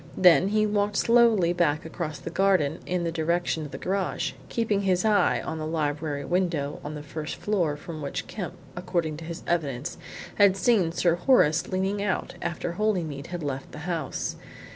Then he walked slowly back across the garden in the direction of the garage, keeping his eye on the library window on the first floor from which Kemp, according to his evidence, had seen Sir Horace leaning out after Holymead had left the house.